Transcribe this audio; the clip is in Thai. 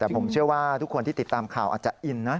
แต่ผมเชื่อว่าทุกคนที่ติดตามข่าวอาจจะอินนะ